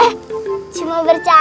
eh cuma bercanda kok